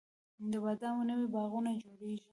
د بادامو نوي باغونه جوړیږي